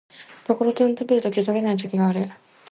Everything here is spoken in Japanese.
ところてんを食べる時と食べない時がある。